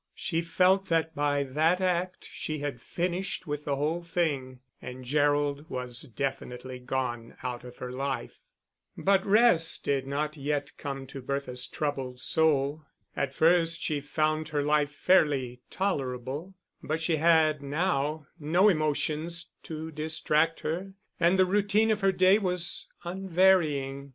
She felt that by that act she had finished with the whole thing, and Gerald was definitely gone out of her life. But rest did not yet come to Bertha's troubled soul. At first she found her life fairly tolerable; but she had now no emotions to distract her and the routine of her day was unvarying.